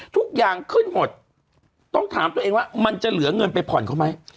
ทุกอย่างขึ้นหมดต้องถามตัวเองว่ามันจะเหลือเงินไปผ่อนเขาไหม